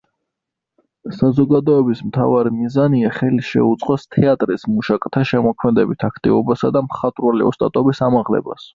საზოგადოების მთავარი მიზანია ხელი შეუწყოს თეატრის მუშაკთა შემოქმედებით აქტივობასა და მხატვრული ოსტატობის ამაღლებას.